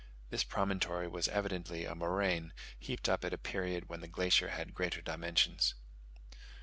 This promontory was evidently a moraine, heaped up at a period when the glacier had greater dimensions.